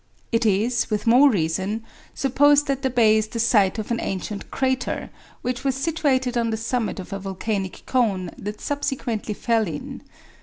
It is, with more reason, supposed that the bay is the site of an ancient crater, which was situated on the summit of a volcanic cone that subsequently fell in.